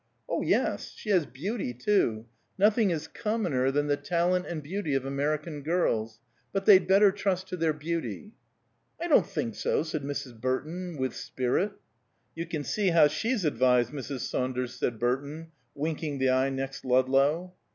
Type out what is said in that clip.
"Oh, yes. She has beauty, too. Nothing is commoner than the talent and beauty of American girls. But they'd better trust to their beauty." "I don't think so," said Mrs. Burton, with spirit. "You can see how she's advised Mrs. Saunders," said Burton, winking the eye next Ludlow.